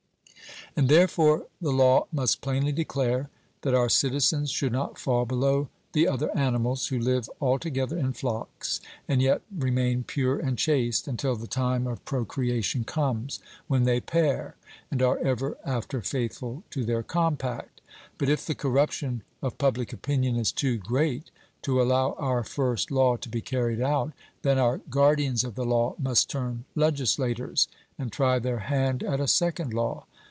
And therefore the law must plainly declare that our citizens should not fall below the other animals, who live all together in flocks, and yet remain pure and chaste until the time of procreation comes, when they pair, and are ever after faithful to their compact. But if the corruption of public opinion is too great to allow our first law to be carried out, then our guardians of the law must turn legislators, and try their hand at a second law.